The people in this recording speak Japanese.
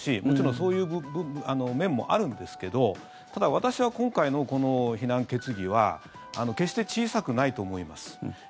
もちろんそういう面もあるんですけどただ、私は今回のこの非難決議は決して小さくないと思います。